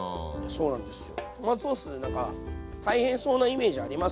そうなんですよ。